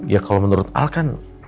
ya kalau menurut al kan